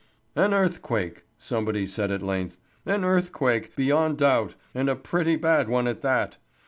"An earthquake," somebody said at length. "An earthquake, beyond doubt, and a pretty bad one at that.